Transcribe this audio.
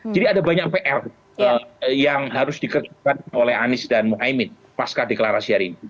jadi ada banyak pr yang harus dikerjakan oleh anies dan muhaymin pasca deklarasi hari ini